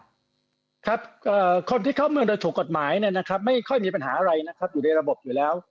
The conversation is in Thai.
ครับครับคนที่เข้าเมืองโดยถูกกฎหมายเนี่ยนะครับไม่ค่อยมีปัญหาอะไรนะครับอยู่ในระบบอยู่แล้ว